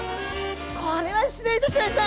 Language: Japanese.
これは失礼いたしました！